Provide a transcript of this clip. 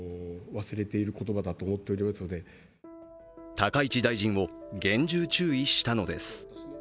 高市大臣を厳重注意したのです。